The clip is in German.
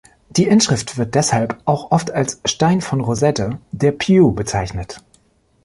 Die Inschrift wird deshalb auch oft als Stein von Rosette der Pyu bezeichnet.